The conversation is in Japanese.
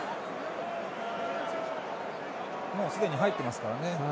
もうすでに入っていますからね。